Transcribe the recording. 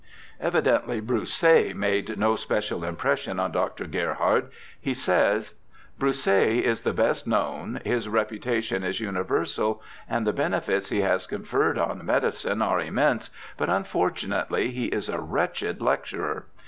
Evidently Broussais made no special impression on Dr. Gerhard. He says, * Broussais is the best known, his reputation is uni versal, and the benefits he has conferred on medicine are immense, but unfortunately he is a wretched lecturer.